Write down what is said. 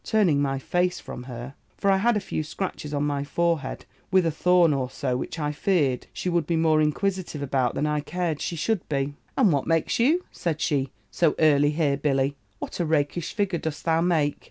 turning my face from her; for I had a few scratches on my forehead with a thorn, or so which I feared she would be more inquisitive about than I cared she should. "'And what makes you,' said she, 'so early here, Billy? What a rakish figure dost thou make!